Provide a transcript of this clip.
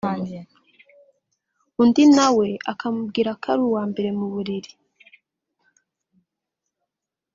undi na we akamubwira ko ari uwa mbere mu buriri